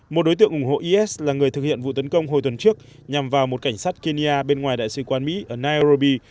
một đối tượng ủng hộ is là người thực hiện vụ tấn công hồi tuần trước nhằm vào một cảnh sát kenya bên ngoài đại sứ quán mỹ ở naierbi